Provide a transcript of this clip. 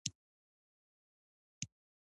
هغې وويل نه کاشکې يې ډاکټر ته پرېښې وای.